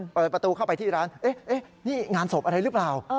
เปิดประตูเข้าไปที่ร้านนี่งานศพอะไรหรือเปล่า